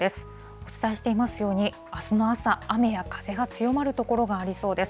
お伝えしていますように、あすの朝、雨や風が強まる所がありそうです。